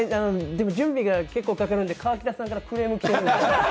でも準備が結構かかるんで、河北さんからクレームきて。